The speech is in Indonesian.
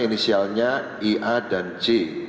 inisialnya ia dan c